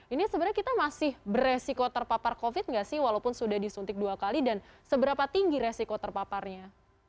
ini sebenarnya kita masih beresiko terpapar covid nggak sih walaupun sudah disuntik dua kali dan seberapa tinggi resiko terpaparnya